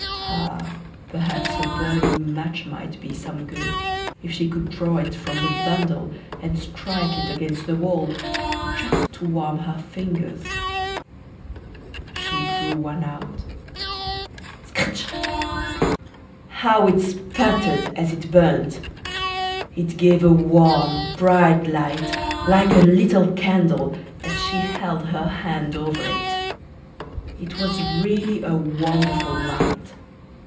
Ah! perhaps a burning match might be some good, if she could draw it from the bundle and strike it against the wall, just to warm her fingers. She drew one out "scratch!" how it sputtered as it burnt! It gave a warm, bright light, like a little candle, as she held her hand over it. It was really a wonderful light.